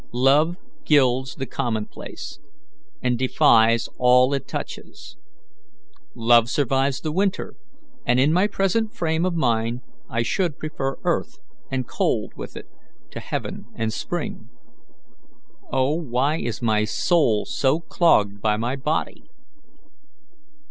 Love gilds the commonplace, and deifies all it touches. Love survives the winter, and in my present frame of mind I should prefer earth and cold with it to heaven and spring. Oh, why is my soul so clogged by my body?"